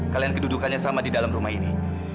kalian kedudukannya sama di dalam rumah ini